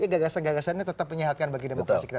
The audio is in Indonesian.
gagasan gagasannya tetap menyehatkan bagi demokrasi kita